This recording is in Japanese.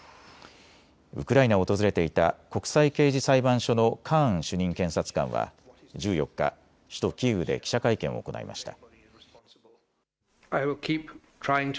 ウクライナを訪れていた国際刑事裁判所のカーン主任検察官は１４日、首都キーウで記者会見を行いました。